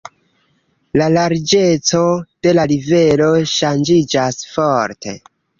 La larĝeco de la rivero ŝanĝiĝas forte.